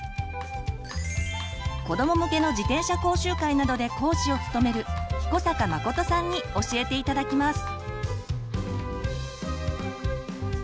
子ども向けの自転車講習会などで講師を務める彦坂誠さんに教えて頂きます。